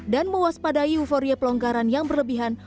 dan mewaspadai euforia pelonggaran yang berlebihan